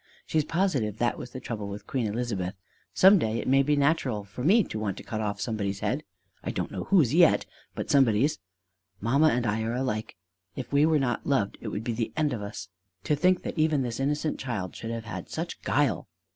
She's positive that was the trouble with Queen Elizabeth. Some day it may be natural for me to want to cut off somebody's head I don't know whose yet but somebody's. Mamma and I are alike: if we were not loved, it would be the end of us." (To think that even this innocent child should have had such guile!)